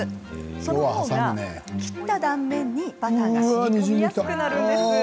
その方が、切った断面にバターがしみ込みやすくなるんです。